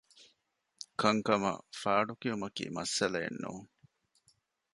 ކަންކަމަށް ފާޑު ކިއުމަކީ މައްސަލައެއް ނޫން